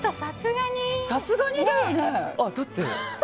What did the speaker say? さすがにだよね。